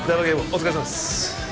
お疲れさまです。